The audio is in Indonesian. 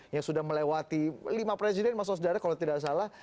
yang sudah melewati lima presiden mas osdar kalau tidak salah